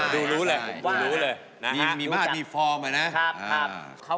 ดูรู้เลยดูรู้เลยมีมาตรมีฟอร์มอ่ะนะ